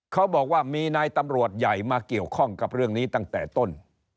เขาบอกว่ามีนายตำรวจใหญ่มาเกี่ยวข้องกับเรื่องนี้ตั้งแต่ต้น